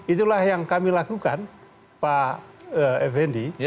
itulah yang kami lakukan pak effendi